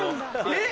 えっ！